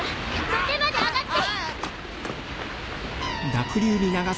土手まで上がって！